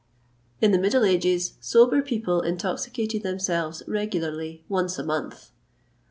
[XXVIII 167] In the middle ages sober people intoxicated themselves regularly once a month.